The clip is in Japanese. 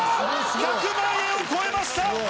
１００万円を超えました。